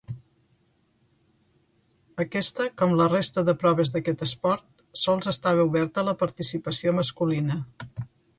Aquesta, com la resta de proves d'aquest esport, sols estava oberta a la participació masculina.